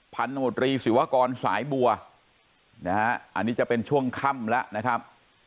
พันธมตรีศิวากรสายบัวนะฮะอันนี้จะเป็นช่วงค่ำแล้วนะครับ